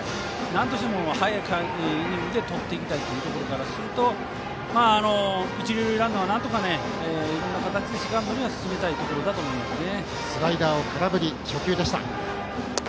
なんとしても早いイニングで取っていきたいというところからすると一塁ランナーをなんとかセカンドには進めたいところだと思いますね。